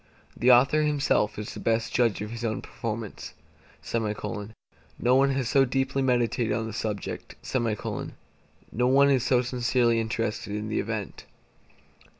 The author himself is the best judge of his own performance; no one has so deeply meditated on the subject; no one is so sincerely interested in the event.